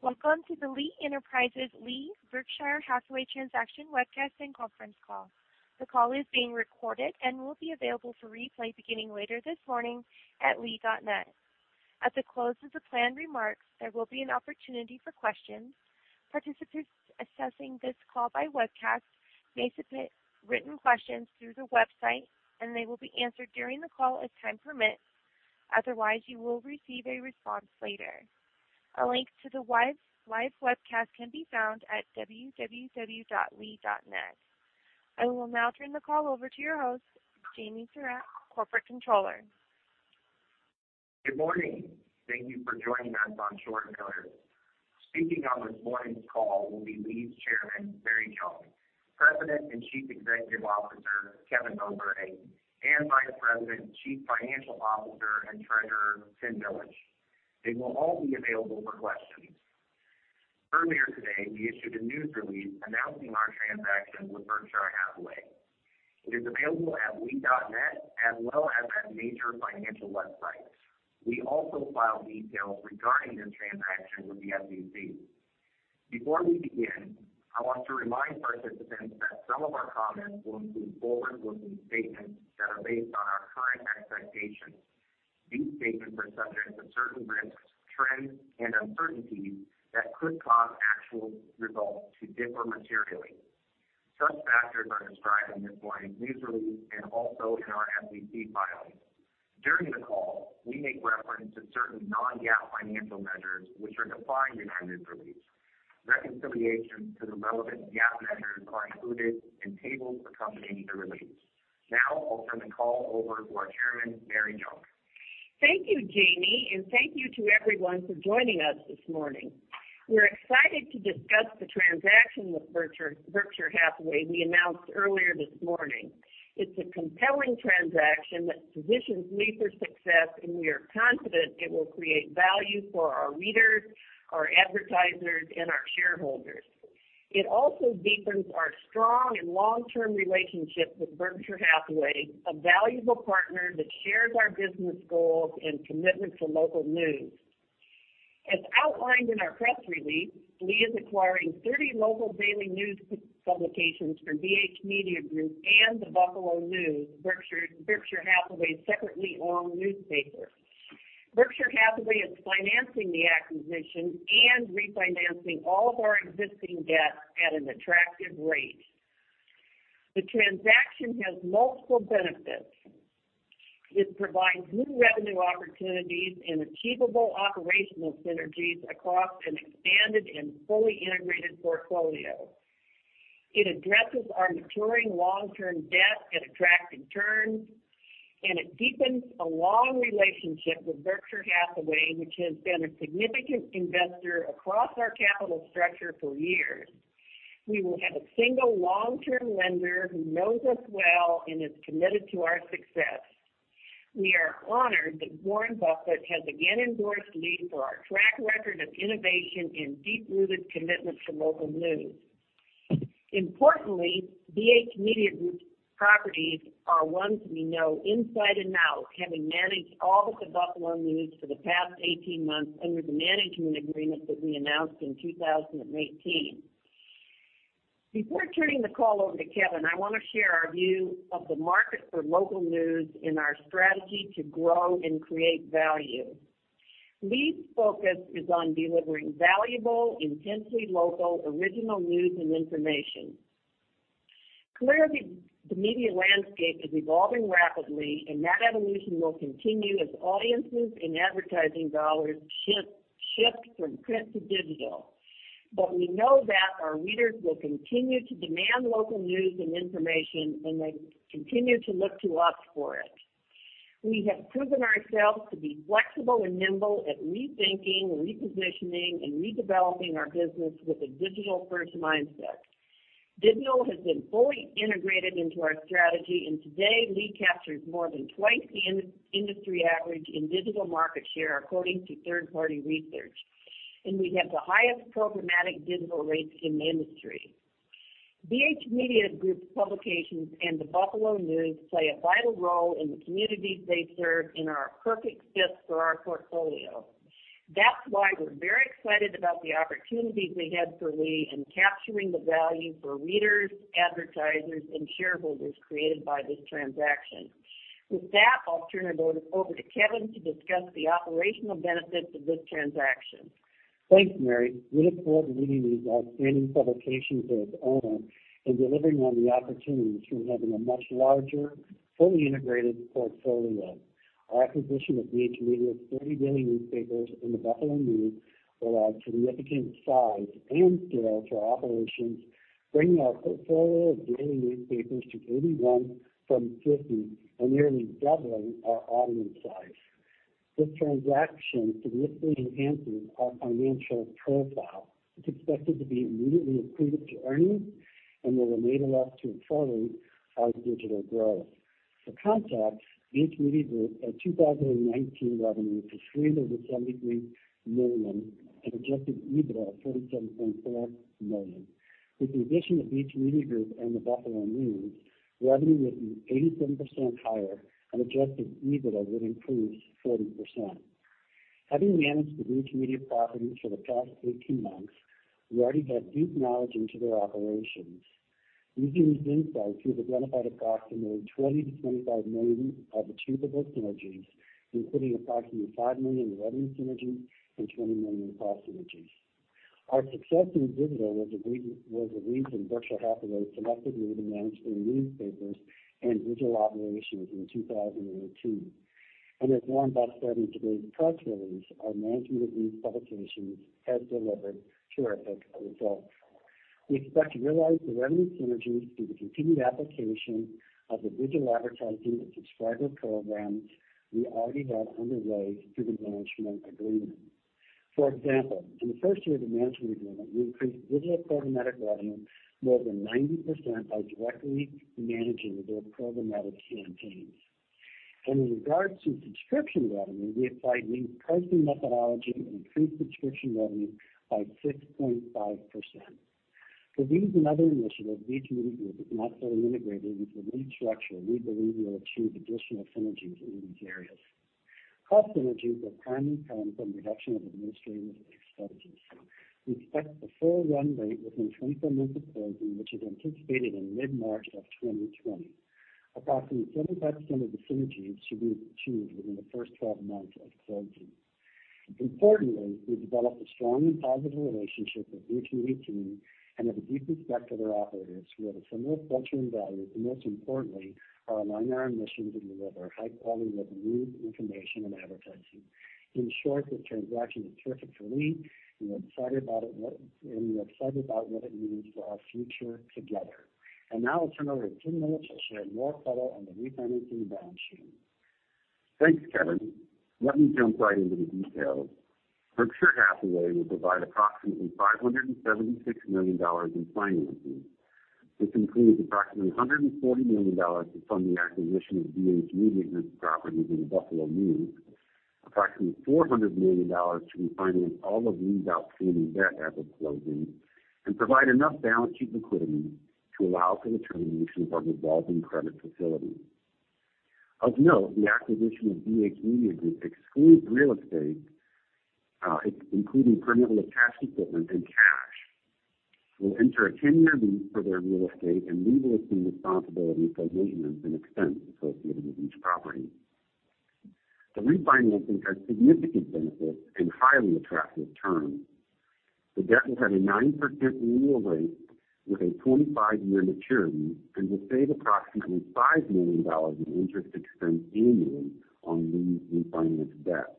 Welcome to the Lee Enterprises Berkshire Hathaway transaction webcast and conference call. The call is being recorded and will be available for replay beginning later this morning at lee.net. At the close of the planned remarks, there will be an opportunity for questions. Participants accessing this call by webcast may submit written questions through the website, and they will be answered during the call as time permits. Otherwise, you will receive a response later. A link to the live webcast can be found at www.lee.net. I will now turn the call over to your host, Jamie Surak, Corporate Controller. Good morning. Thank you for joining us on short notice. Speaking on this morning's call will be Lee's Chairman, Mary Junck, President and Chief Executive Officer, Kevin Mowbray, and Vice President, Chief Financial Officer, and Treasurer, Tim Millage. They will all be available for questions. Earlier today, we issued a news release announcing our transaction with Berkshire Hathaway. It is available at lee.net as well as at major financial websites. We also filed details regarding this transaction with the SEC. Before we begin, I want to remind participants that some of our comments will include forward-looking statements that are based on our current expectations. These statements are subject to certain risks, trends, and uncertainties that could cause actual results to differ materially. Such factors are described in this morning's news release and also in our SEC filings. During the call, we make reference to certain non-GAAP financial measures which are defined in our news release. Reconciliation to the relevant GAAP measures are included in tables accompanying the release. I'll turn the call over to our Chairman, Mary Junck. Thank you, Jamie Surak, and thank you to everyone for joining us this morning. We're excited to discuss the transaction with Berkshire Hathaway we announced earlier this morning. It's a compelling transaction that positions Lee Enterprises for success. We are confident it will create value for our readers, our advertisers, and our shareholders. It also deepens our strong and long-term relationship with Berkshire Hathaway, a valuable partner that shares our business goals and commitment to local news. As outlined in our press release, Lee Enterprises is acquiring 30 local daily news publications from Berkshire Hathaway Media Group and The Buffalo News, Berkshire Hathaway's separately owned newspaper. Berkshire Hathaway is financing the acquisition and refinancing all of our existing debt at an attractive rate. The transaction has multiple benefits. It provides new revenue opportunities and achievable operational synergies across an expanded and fully integrated portfolio. It addresses our maturing long-term debt at attractive terms. It deepens a long relationship with Berkshire Hathaway, which has been a significant investor across our capital structure for years. We will have a single long-term lender who knows us well and is committed to our success. We are honored that Warren Buffett has again endorsed Lee Enterprises for our track record of innovation and deep-rooted commitment to local news. Importantly, Berkshire Hathaway Media Group's properties are ones we know inside and out, having managed all but The Buffalo News for the past 18 months under the management agreement that we announced in 2018. Before turning the call over to Kevin Mowbray, I want to share our view of the market for local news and our strategy to grow and create value. Lee's focus is on delivering valuable, intensely local, original news and information. The media landscape is evolving rapidly, and that evolution will continue as audiences and advertising dollars shift from print to digital. We know that our readers will continue to demand local news and information, and they continue to look to us for it. We have proven ourselves to be flexible and nimble at rethinking, repositioning, and redeveloping our business with a digital-first mindset. Digital has been fully integrated into our strategy, and today, Lee Enterprises captures more than twice the industry average in digital market share, according to third-party research and we have the highest programmatic digital rates in the industry. Berkshire Hathaway Media Group's publications and The Buffalo News play a vital role in the communities they serve and are a perfect fit for our portfolio. That's why we're very excited about the opportunities we have for Lee Enterprises in capturing the value for readers, advertisers, and shareholders created by this transaction. With that, I'll turn it over to Kevin Mowbray to discuss the operational benefits of this transaction. Thanks, Mary Junck. We look forward to leading these outstanding publications as owner and delivering on the opportunities from having a much larger, fully integrated portfolio. Our acquisition of BH Media's 30 daily newspapers and The Buffalo News will add significant size and scale to our operations, bringing our portfolio of daily newspapers to 81 from 50 and nearly doubling our audience size. This transaction significantly enhances our financial profile. It's expected to be immediately accretive to earnings and will enable us to accelerate our digital growth. For context, Berkshire Hathaway Media Group had 2019 revenue of $373 million and adjusted EBITDA of $37.4 million. With the addition of Berkshire Hathaway Media Group and The Buffalo News, revenue will be 87% higher, and adjusted EBITDA would improve 40%. Having managed the BH Media properties for the past 18 months, we already have deep knowledge into their operations. Using these insights, we've identified approximately $20 million-$25 million of achievable synergies, including approximately $5 million in revenue synergies and $20 million in cost synergies. Our success in digital was the reason Berkshire Hathaway selected Lee Enterprises to manage their newspapers and digital operations in 2018. As Warren Buffett stated today at the press release, our management of Lee Enterprises' publications has delivered terrific results. We expect to realize the revenue synergies through the continued application of the digital advertising and subscriber programs we already have underway through the management agreement. For example, in the first year of the management agreement, we increased digital programmatic revenue more than 90% by directly managing their programmatic campaigns. In regards to subscription revenue, we applied Lee Enterprises' pricing methodology and increased subscription revenue by 6.5%. For these and other initiatives, Berkshire Hathaway Media Group is now fully integrated into the Lee Enterprises structure, and we believe we will achieve additional synergies in these areas. Cost synergies will primarily come from reduction of administrative expenses. We expect to full run rate within 24 months of closing, which is anticipated in mid-March of 2020. Approximately 75% of the synergies should be achieved within the first 12 months of closing. Importantly, we've developed a strong and positive relationship with BH Media team and have a deep respect for their operatives who have a similar culture and values, and most importantly, are aligned in our mission to deliver high-quality local news, information, and advertising. In short, this transaction is terrific for Lee Enterprises, and we are excited about what it means for our future together. Now I'll turn it over to Tim Millage to share more color on the refinancing and balance sheet. Thanks, Kevin Mowbray. Let me jump right into the details. Berkshire Hathaway will provide approximately $576 million in financing. This includes approximately $140 million to fund the acquisition of Berkshire Hathaway Media Group's properties and The Buffalo News, approximately $400 million to refinance all of Lee's outstanding debt at the closing, and provide enough balance sheet liquidity to allow for the termination of our revolving credit facility. Of note, the acquisition of Berkshire Hathaway Media Group excludes real estate, including perimeter cash equipment and cash. We'll enter a 10-year lease for their real estate and Lee Enterprises will assume responsibility for maintenance and expense associated with each property. The refinancing has significant benefits and highly attractive terms. The debt will have a 9% annual rate with a 25-year maturity and will save approximately $5 million in interest expense annually on Lee's refinanced debt.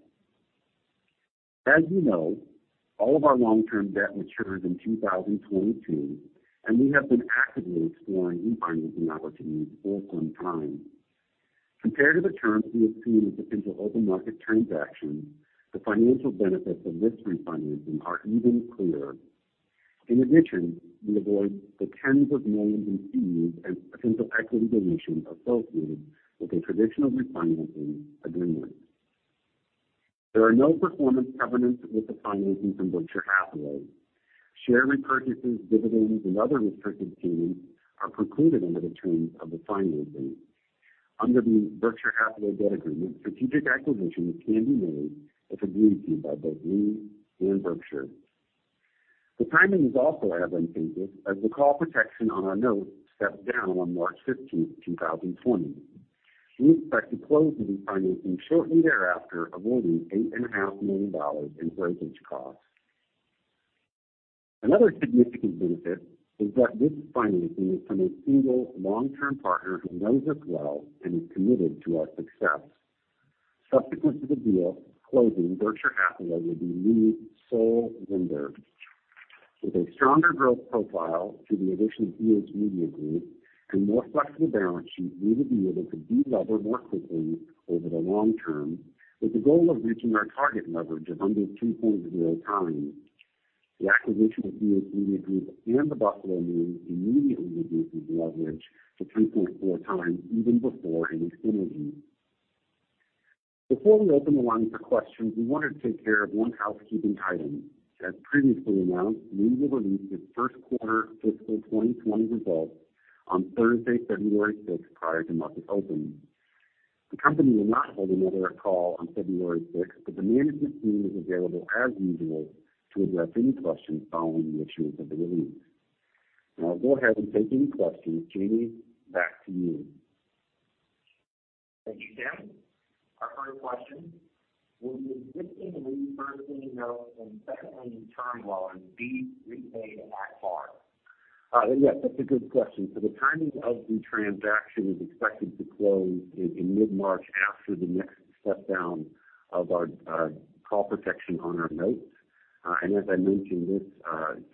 As you know, all of our long-term debt matures in 2022, and we have been actively exploring refinancing opportunities for some time. Compared to the terms we have seen with potential open market transactions, the financial benefits of this refinancing are even clearer. In addition, we avoid the tens of millions in fees and potential equity dilution associated with a traditional refinancing agreement. There are no performance covenants with the financing from Berkshire Hathaway. Share repurchases, dividends, and other restrictive payments are precluded under the terms of the financing. Under the Berkshire Hathaway debt agreement, strategic acquisitions can be made if agreed to by both Lee Enterprises and Berkshire Hathaway. The timing is also advantageous, as the call protection on our notes steps down on March 15th, 2020. We expect to close the refinancing shortly thereafter, avoiding $8.5 million in breakage costs. Another significant benefit is that this financing is from a single long-term partner who knows us well and is committed to our success. Subsequent to the deal closing, Berkshire Hathaway will be Lee's sole lender. With a stronger growth profile through the addition of Berkshire Hathaway Media Group and more flexible balance sheet, we will be able to de-lever more quickly over the long term with the goal of reaching our target leverage of under 2.0 times. The acquisition of Berkshire Hathaway Media Group and The Buffalo News immediately reduces leverage to 3.4 times even before any synergies. Before we open the line for questions, we wanted to take care of one housekeeping item. As previously announced, Lee Enterprises will release its first quarter fiscal 2020 results on Thursday, February 6th, prior to market opening. The company will not hold another call on February 6th, the management team is available as usual to address any questions following the issuance of the release. Now I'll go ahead and take any questions. Jamie Surak, back to you. Thank you, Tim Surak. Our first question: Will the existing Lee Enterprises first-lien notes and second-lien term loans be repaid at par? Yes, that's a good question. The timing of the transaction is expected to close in mid-March after the next step-down of our call protection on our notes. As I mentioned, this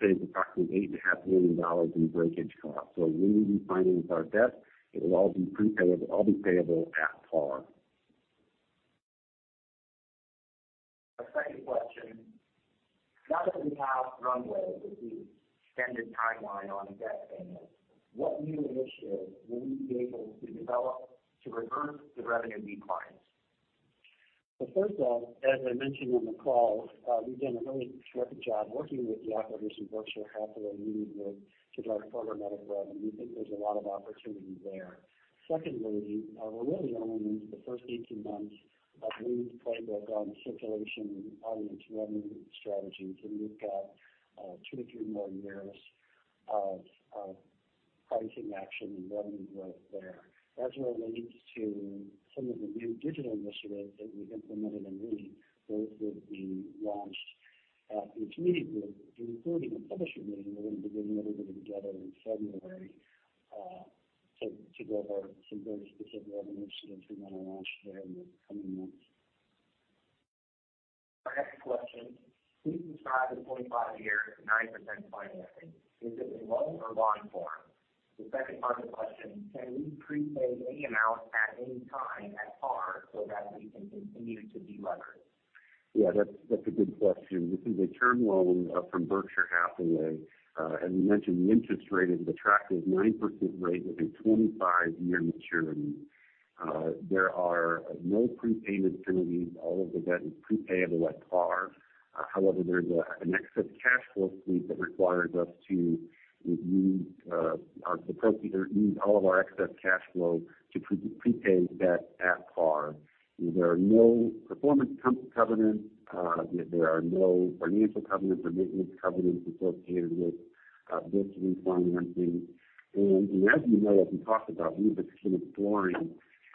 saves approximately $8.5 million in breakage costs. When we refinance our debt, it will all be payable at par. A second question. Now that we have runway with the extended timeline on debt payments, what new initiatives will you be able to develop to reverse the revenue declines? First off, as I mentioned on the call, we've done a really terrific job working with the operators of Berkshire Hathaway Media Group to drive programmatic revenue. We think there's a lot of opportunity there. Secondly, we're really only into the first 18 months of Lee's playbook on circulation and audience revenue strategies, and we've got two to three more years of pricing action and revenue growth there. As it relates to some of the new digital initiatives that we've implemented in Lee Enterprises, those will be launched at the community group, including a publisher meeting. We're going to be getting everybody together in February to go over some very specific initiatives we want to launch there in the coming months. Our next question, "Lee Enterprises described a 25-year, 9% financing. Is it a loan or bond form?" The second part of the question, "Can we prepay any amount at any time at par so that we can continue to de-lever? Yeah, that's a good question. This is a term loan from Berkshire Hathaway Media Group. As we mentioned, the interest rate is attractive, 9% rate with a 25-year maturity. There are no prepayment penalties. All of the debt is prepayable at par. There's an excess cash flow sweep that requires us to use all of our excess cash flow to prepay debt at par. There are no performance covenants. There are no financial covenants or maintenance covenants associated with this refinancing. As you know, as we talked about, we've been exploring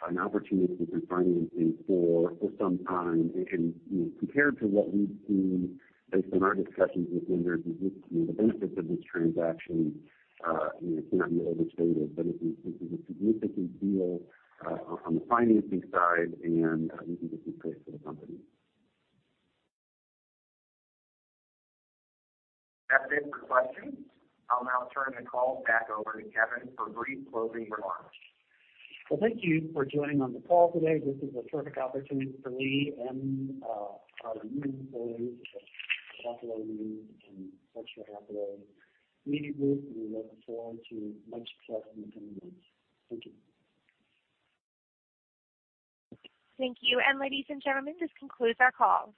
an opportunity to refinancing for some time. Compared to what we've seen based on our discussions with lenders, the benefits of this transaction cannot be overstated. It is a significant deal on the financing side, and we think this is great for the company. That's it for questions. I'll now turn the call back over to Kevin Mowbray for brief closing remarks. Well, thank you for joining on the call today. This is a terrific opportunity for Lee Enterprises and our union employees at The Buffalo News and Berkshire Hathaway Media Group, and we look forward to much success in the coming months. Thank you. Thank you. Ladies and gentlemen, this concludes our call.